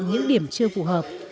những điểm chưa phù hợp